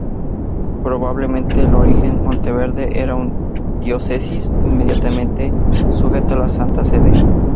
Probablemente en origen, Monteverde era una diócesis inmediatamente sujeta a la Santa Sede.